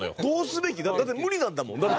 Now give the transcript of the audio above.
どうすべき？だって無理なんだもん。